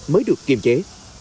mới được kiềm chế